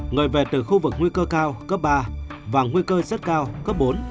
người về từ khu vực nguy cơ cao cấp ba và nguy cơ rất cao cấp bốn